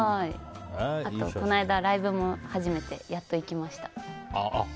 あと、この間ライブも初めてやっと行きました。